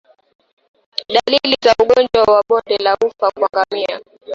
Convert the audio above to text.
Dalili za ugonjwa wa bonde la ufa kwa ngamia